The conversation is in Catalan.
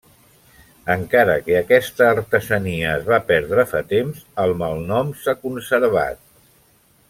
Encara que aquesta artesania es va perdre fa temps, el malnom s'ha conservat.